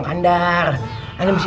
mak harus berhati hati